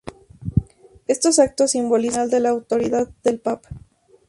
Estos actos simbolizan el final de la autoridad del papa.